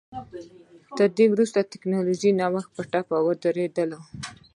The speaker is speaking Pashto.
تر دې وروسته ټکنالوژیکي نوښتونه په ټپه ودرېدل